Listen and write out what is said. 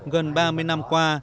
gần ba mươi năm qua